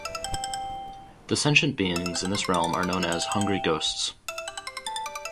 The sentient beings in this realm are known as "hungry ghosts".